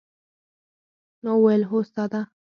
ما وويل هو استاده.